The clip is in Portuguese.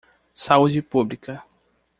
Saúde pública.